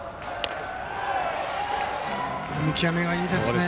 見極めがいいですね